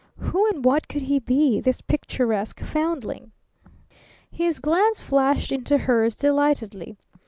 Who and what could he be, this picturesque foundling? His glance flashed into hers delightedly.